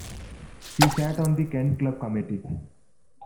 He sat on the Kent club committee.